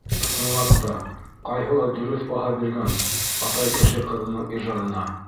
Ысынлап та, ҡайһылай дөрөҫ баһа биргән атай кеше ҡыҙының ижадына.